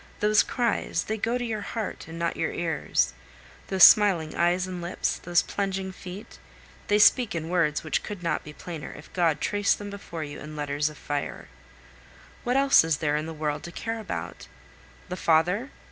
Those cries, they go to your heart and not your ears; those smiling eyes and lips, those plunging feet, they speak in words which could not be plainer if God traced them before you in letters of fire! What else is there in the world to care about? The father?